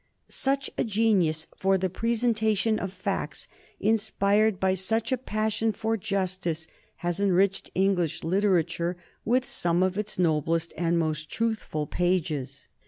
Such a genius for the presentation of facts inspired by such a passion for justice has enriched English literature with some of its noblest and most truthful pages.